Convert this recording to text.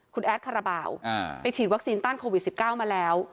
คุณแอดคาราบาลไปฉีดวัคซีนต้านโควิด๑๙มาแล้ว